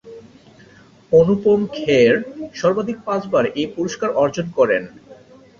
অনুপম খের সর্বাধিক পাঁচবার এই পুরস্কার অর্জন করেন।